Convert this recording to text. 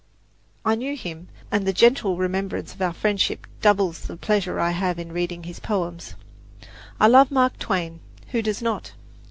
I knew him, and the gentle remembrance of our friendship doubles the pleasure I have in reading his poems. I love Mark Twain who does not?